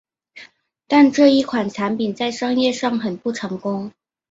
但这一款产品在商业上很不成功。